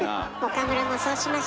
岡村もそうしましょ。